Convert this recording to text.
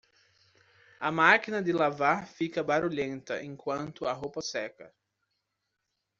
A máquina de lavar fica barulhenta enquanto a roupa seca.